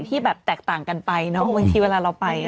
ที่แบบแตกต่างกันไปเนาะบางทีเวลาเราไป